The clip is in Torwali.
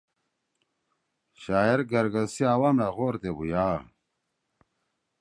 شاعر گرگس سی عوامأ گورتے بُھویا